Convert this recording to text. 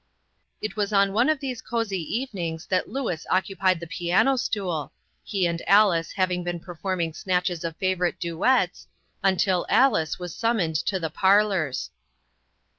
It was on one of these cosey evenings that Louis occupied the piano stool, he and Alice having been performing snatches of favorite duets, until Alice was summoned to the parlors.